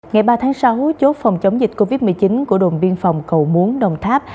ngày ba tháng sáu chốt phòng chống dịch covid một mươi chín của đồn biên phòng cầu muốn đồng tháp